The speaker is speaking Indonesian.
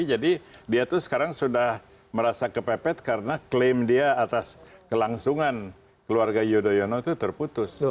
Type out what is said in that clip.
jadi dia tuh sekarang sudah merasa kepepet karena klaim dia atas kelangsungan keluarga yudhoyono tuh terputus